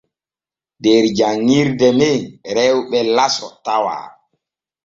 Der janŋirde men rewɓe laso tawa.